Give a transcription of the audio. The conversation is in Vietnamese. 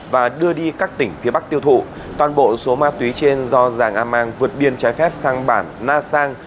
và đưa đi các tỉnh phía bắc tiêu thụ toàn bộ số ma túy trên do giàng a mang vượt biên trái phép sang bản na sang